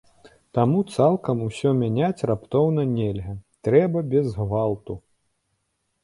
Таму цалкам усё мяняць раптоўна нельга, трэба без гвалту.